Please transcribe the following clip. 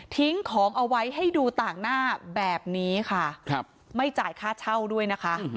ของเอาไว้ให้ดูต่างหน้าแบบนี้ค่ะไม่จ่ายค่าเช่าด้วยนะคะ